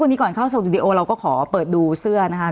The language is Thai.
วันนี้ก่อนเข้าสู่วิดีโอเราก็ขอเปิดดูเสื้อนะคะ